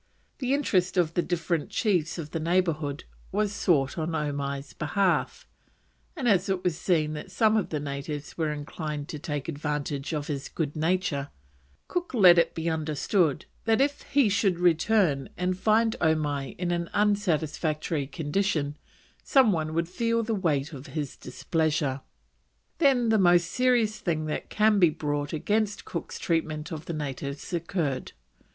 The interest of the different chiefs of the neighbourhood was sought on Omai's behalf, and as it was seen that some of the natives were inclined to take advantage of his good nature, Cook let it be understood that if, should he return and find Omai in an satisfactory condition, some one would feel the weight of his displeasure. Then the most serious thing that can be brought against Cook's treatment of the natives occurred.